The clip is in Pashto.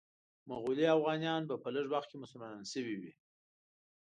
مغولي اوغانیان به په لږ وخت کې مسلمانان شوي وي.